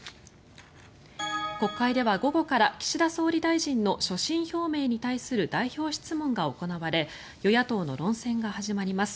国会では午後から岸田総理大臣の所信表明に対する代表質問が行われ与野党の論戦が始まります。